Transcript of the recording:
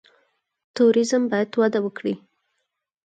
توریزم باید وده وکړي